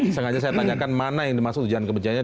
saya tanyakan mana yang dimasukkan ujaran kebenciannya